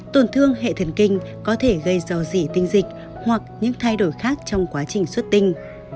tổn thương hệ thần kinh có thể gây dò dỉ tinh dịch hoặc những thay đổi khác trong quá trình xuất tinh